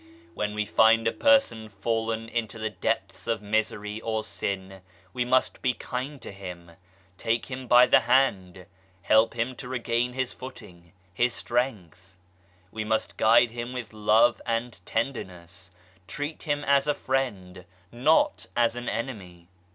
When we find a person fallen into the depths of misery or sin we must be kind to him, take him by the hand, help him to regain his footing, his strength ; we must guide him with love and tenderness, treat him as a friend not as an enemy.